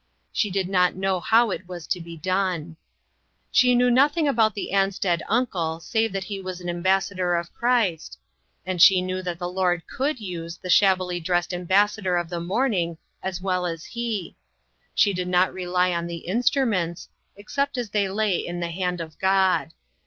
She did not know how it was to be done. She knew nothing about the Ansted un cle save that he was an ambassador of Christ, and she knew that the Lord could use the shabbily dressed ambassador of the morning as well as he ; she did not rely on the instruments, except as they lay in the hand of God.